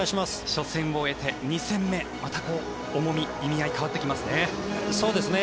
初戦を終えて２戦目また重み、意味合いが変わってきますね。